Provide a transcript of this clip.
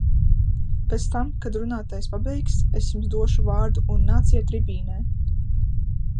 Pēc tam, kad runātājs pabeigs, es jums došu vārdu, un nāciet tribīnē!